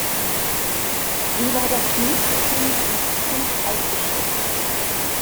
Sie war das jüngste Kind unter fünf Halbgeschwistern.